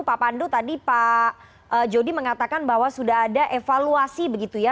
pak pandu tadi pak jody mengatakan bahwa sudah ada evaluasi begitu ya